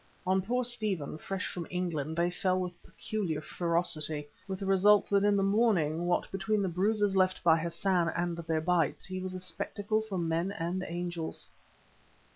On poor Stephen, fresh from England, they fell with peculiar ferocity, with the result that in the morning what between the bruises left by Hassan and their bites, he was a spectacle for men and angels.